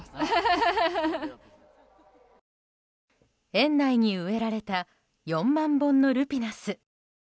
園内に植えられた４万本のルピナス。